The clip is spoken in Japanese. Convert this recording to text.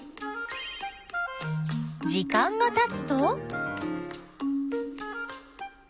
時間がたつと。